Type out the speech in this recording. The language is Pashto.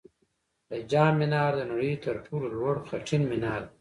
د جام منار د نړۍ تر ټولو لوړ خټین منار دی